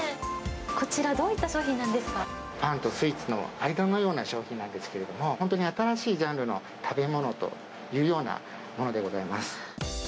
こちら、パンとスイーツの間のような商品なんですけれども、本当に新しいジャンルの食べ物というようなものでございます。